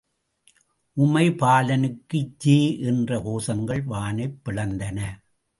″உமைபாலனுக்கு ஜே என்ற கோஷங்கள் வானைப் பிளந்தன.